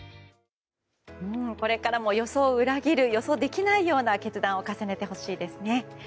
これからも予想を裏切る予想できないような決断を重ねてほしいですね。